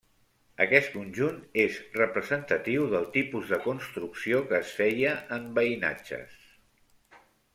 Aquest conjunt és representatiu del tipus de construcció que es feia en veïnatges.